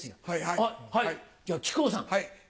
あっはいじゃあ木久扇さん。